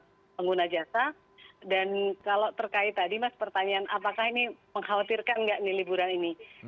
untuk pengguna jasa dan kalau terkait tadi mas pertanyaan apakah ini mengkhawatirkan nggak nih liburan ini